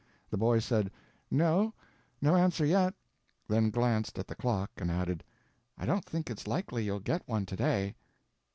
The boy said, "No, no answer yet," then glanced at the clock and added, "I don't think it's likely you'll get one to day."